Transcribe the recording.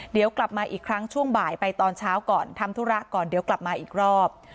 เดี๋ยวกลับมาอีกครั้งช่วงบ่ายไปตอนเช้าก่อนทำธุระก่อนเดี๋ยวกลับมาอีกรอบ